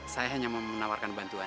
saya hanya menawarkan bantuan